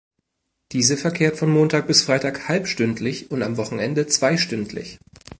Diese verkehrt von Montag bis Freitag halbstündlich und am Wochenende zweistündlich.